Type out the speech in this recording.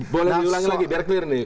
boleh diulas lagi biar clear nih